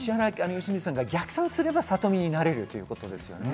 良純さんが逆算すれば、さとみになれるってことですよね。